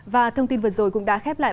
và thông tin vừa rồi cũng đã khép lại